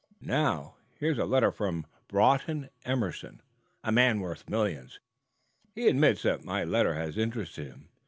Now, here's a letter from Broughton Emerson, a man worth millions. He admits that my letter has interested him.